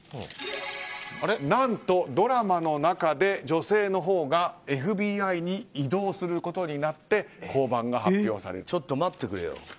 何とドラマの中で女性のほうがＦＢＩに異動することになってちょっと待ってくれよ。